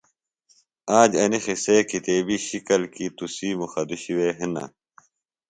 آج اینیۡ قِصے کتیبیۡ شِکل کیۡ تُسی مخدوشیۡ وے ہِنہ